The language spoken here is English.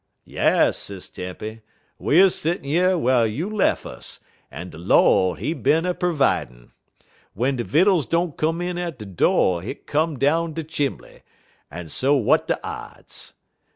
"Yas, Sis Tempy, we er settin' yer whar you lef' us, en der Lord, he bin a pervidin'. W'en de vittles don't come in at de do' hit come down de chimbly, en so w'at de odds?